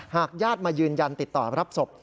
ญาติมายืนยันติดต่อรับศพ